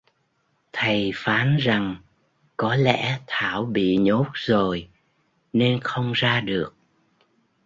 thầy phán rằng có lẽ thảo bị nhốt rồi nên không ra được